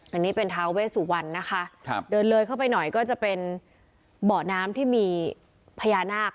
อันนี้เป็นท้าเวสุวรรณนะคะครับเดินเลยเข้าไปหน่อยก็จะเป็นเบาะน้ำที่มีพญานาค